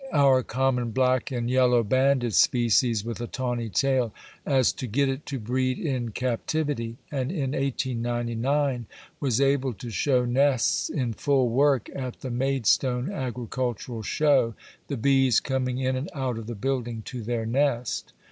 D, 29, our common black and yellow banded species with a tawny tail) as to get it to breed in captivity, and in 1899 was able to show nests in full work at the Maidstone agricultural show, the bees coming in and out of the building to their nest.